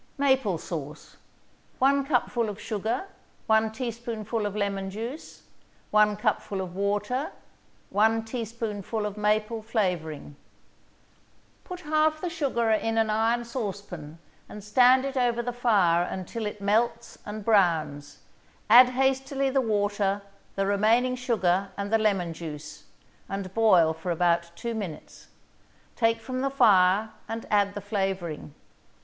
MAPLE SAUCE 1 cupful of sugar 1 teaspoonful of lemon juice 1 cupful of water 1 teaspoonful of maple flavoring Put half the sugar in an iron saucepan and stand it over the fire until it melts and browns, add hastily the water, the remaining sugar and the lemon juice, and boil for about two minutes; take from the fire and add the flavoring.